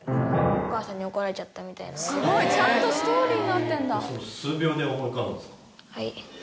すごいちゃんとストーリーになってんだ！